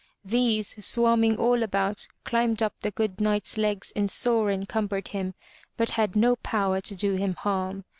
These, swarming all about, climbed up the good Knight's legs and sore encumbered him, but had no power to do him harm.